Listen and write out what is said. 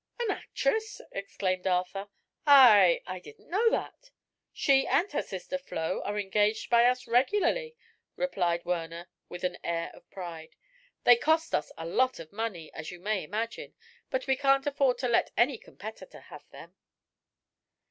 "An actress!" exclaimed Arthur. "I I didn't know that." "She and her sister Flo are engaged by us regularly," replied Werner, with an air of pride. "They cost us a lot of money, as you may imagine, but we can't afford to let any competitor have them."